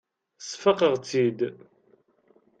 Sfaqeɣ-tt-id.